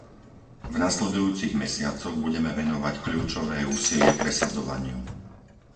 V nasledujúcich mesiacoch budeme venovať kľúčové úsilie presadzovaniu.